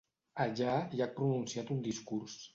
Allà hi ha pronunciat un discurs.